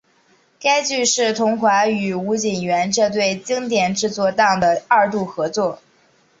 该剧是桐华与吴锦源这对经典制作档的二度合作。